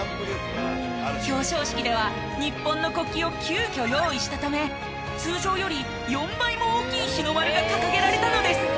表彰式では日本の国旗を急きょ用意したため通常より４倍も大きい日の丸が掲げられたのです。